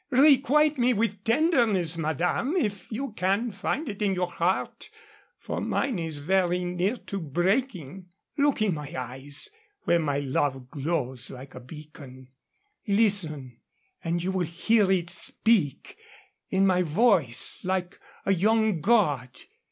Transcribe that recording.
Requite me with tenderness, madame, if you can find it in your heart, for mine is very near to breaking. Look in my eyes, where my love glows like a beacon. Listen, and you will hear it speak in my voice like a young god.